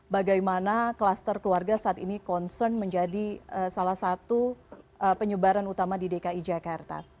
bagaimana kluster keluarga saat ini concern menjadi salah satu penyebaran utama di dki jakarta